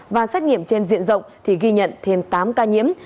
và xét nghiệm trên diện rộng thì ghi nhận thêm tám ca nhiễm